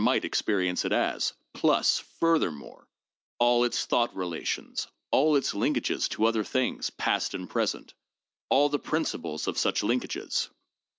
might experience it as; plus, furthermore, all its thought relations, all its linkages to other things, past and present, all the principles of such linkages.